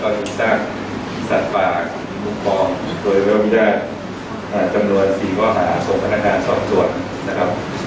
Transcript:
แล้วก็ยึดสร้างสัตว์ฝากภูมิฟองโดยวิทยาลักษณ์จำนวน๔ว่าหา๖พนธนาศาสตรวจ